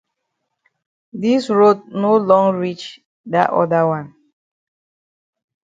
Dis road no long reach dat oda wan.